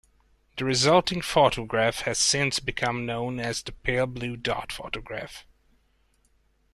The resulting photograph has since become known as the Pale Blue Dot photograph.